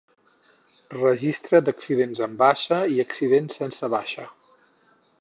Registre d'accidents amb baixa i accidents sense baixa.